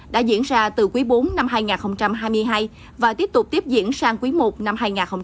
đã diễn ra từ quý bốn năm hai nghìn hai mươi hai và tiếp tục tiếp diễn sang quý i năm hai nghìn hai mươi bốn